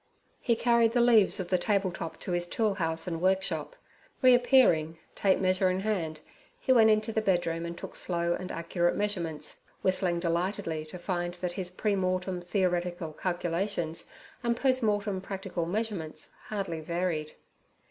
He carried the leaves of the table top to his tool house and workshop. Reappearing, tape measure in hand, he went into the bedroom and took slow and accurate measurements, whistling delightedly to find that his premortem theoretical calculations and postmortem practical measurements hardly varied.